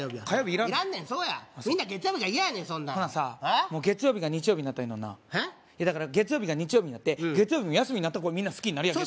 いらんねんそうやみんな月曜日が嫌やねんほなさ月曜日が日曜日になったらいいのになだから月曜日が日曜日になって月曜日も休みになったらみんな好きになるやんけ